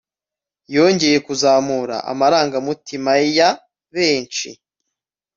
yongeye kuzamura amarangamutima ya benshi